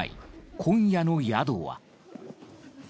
今夜の宿は。